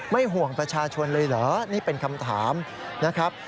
ห่วงประชาชนเลยเหรอนี่เป็นคำถามนะครับ